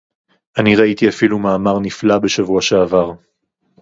אני ראיתי אפילו מאמר נפלא בשבוע שעבר